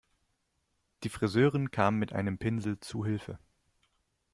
Die Friseurin kam mit einem Pinsel zu Hilfe.